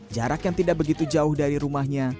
jarak yang tidak begitu jauh dari rumahnya